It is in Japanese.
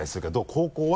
高校は？